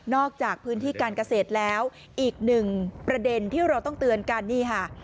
จากพื้นที่การเกษตรแล้วอีกหนึ่งประเด็นที่เราต้องเตือนกันนี่ค่ะ